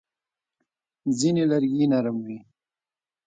ځینې لرګي نرم وي.